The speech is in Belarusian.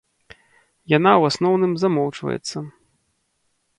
Яна ў асноўным замоўчваецца.